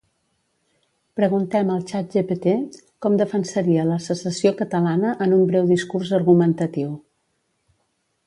Preguntem al Chat gpt com defensaria la secessió catalana en un breu discurs argumentatiu